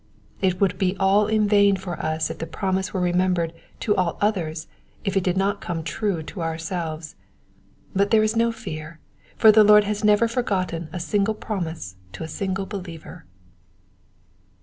It would be all in vain for us if the promise were remembered to all others if it did not come true to ourselves ; but there is no fear, for the Lord has never forgotten a single promise to a single believer.